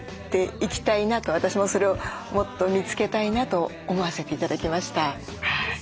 私もそれをもっと見つけたいなと思わせて頂きました。